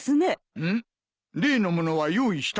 うむ例の物は用意したか？